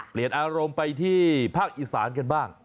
เปลี่ยนอารมณ์ไปที่ภาคอีสานกันบ้าง